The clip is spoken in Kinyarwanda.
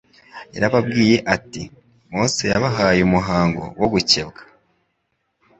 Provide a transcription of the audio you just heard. Yarababwiye ati : «Mose yabahaye umuhango wo gukebwa..,